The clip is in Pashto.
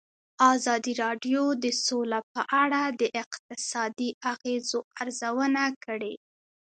ازادي راډیو د سوله په اړه د اقتصادي اغېزو ارزونه کړې.